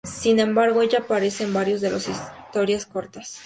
Sin embargo, ella aparece en varios de las historias cortas.